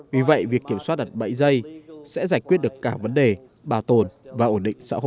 vì vậy việc kiểm soát đặt bẫy dây sẽ giải quyết được cả vấn đề bảo tồn và ổn định xã hội